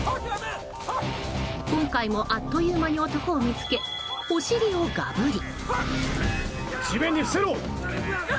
今回もあっという間に男を見つけお尻をガブリ。